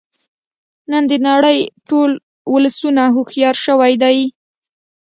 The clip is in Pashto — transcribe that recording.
نن د نړۍ ټول ولسونه هوښیار شوی دی